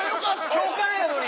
今日からやのに！